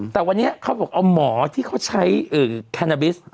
แต่วันนี้เขาบอกเอาหมอที่เขาใช้แคนาบิส